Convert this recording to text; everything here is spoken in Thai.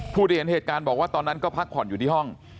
ที่เห็นเหตุการณ์บอกว่าตอนนั้นก็พักผ่อนอยู่ที่ห้อง